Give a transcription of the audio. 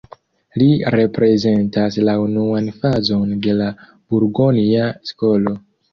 Li reprezentas la unuan fazon de la burgonja skolo.